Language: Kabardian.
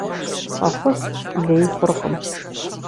ФӀэхъус лей хъуркъым.